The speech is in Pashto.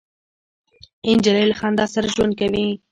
نجلۍ له خندا سره ژوند کوي.